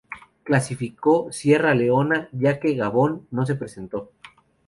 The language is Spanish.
Clasificó Sierra Leona ya que Gabón no se presentó.